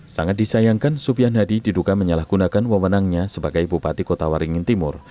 sangat disayangkan supian hadi diduga menyalahgunakan wawenangnya sebagai bupati kota waringin timur